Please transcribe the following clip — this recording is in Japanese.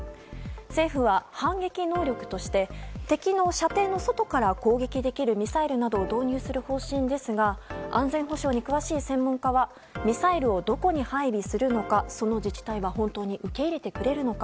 政府は反撃能力として敵の射程の外から攻撃できるミサイルなどを導入する方針ですが安全保障に詳しい専門家はミサイルをどこに配備するのかその自治体は本当に受け入れてくれるのか。